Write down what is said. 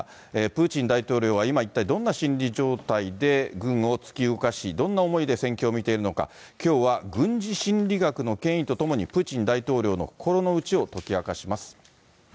プーチン大統領は今、一体どんな心理状態で軍を突き動かし、どんな思いで戦況を見ているのか、きょうは軍事心理学の権威とともに、プーチン大統領の心の内を解き明かします。